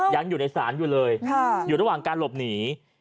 ยังอยู่ในศาลอยู่เลยอยู่ระหว่างการหลบหนี